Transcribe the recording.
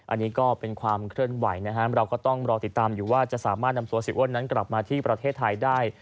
อันนี้ก็เป็นความเคลื่อนไหวนะครับเราก็ต้องรอติดตามอยู่ว่าจะสามารถนำตัวเสียอ้วนนั้นกลับมาที่ประเทศไทยได้